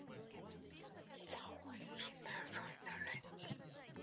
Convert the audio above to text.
Bees, and only a few miles from the Irish Sea.